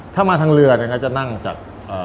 ถ้ามาทางเรือเนี่ยนะจะนั่งจาก